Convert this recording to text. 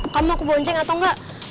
kamu mau aku bonceng atau enggak